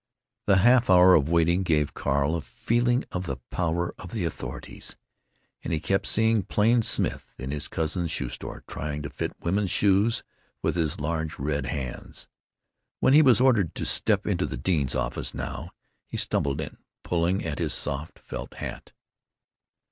The half hour of waiting gave Carl a feeling of the power of the authorities. And he kept seeing Plain Smith in his cousin's shoe store, trying to "fit" women's shoes with his large red hands. When he was ordered to "step into the dean's office, now," he stumbled in, pulling at his soft felt hat.